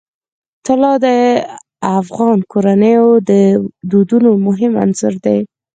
طلا د افغان کورنیو د دودونو مهم عنصر دی.